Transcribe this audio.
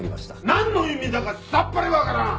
なんの意味だかさっぱりわからん！